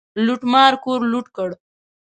لوټمار کور لوټ کړ.